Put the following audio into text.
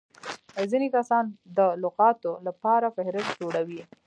ځيني کسان د لغاتو له پاره فهرست جوړوي.